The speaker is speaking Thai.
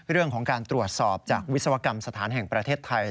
เรื่องของการตรวจสอบจากวิศวกรรมสถานแห่งประเทศไทย